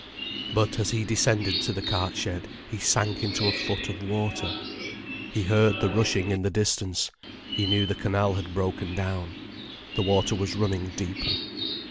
But as he descended to the cart shed, he sank into a foot of water. He heard the rushing in the distance, he knew the canal had broken down. The water was running deeper.